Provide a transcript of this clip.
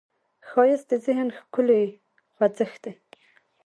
ښایست د ذهن ښکلې خوځښت دی